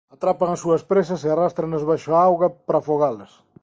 Atrapan as súas presas e arrástranas baixo a auga para afogalas.